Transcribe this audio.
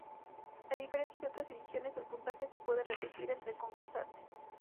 A diferencia de otras ediciones, el puntaje se puede repetir entre concursantes.